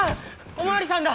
お巡りさんだ！